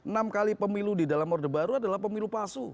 enam kali pemilu di dalam orde baru adalah pemilu palsu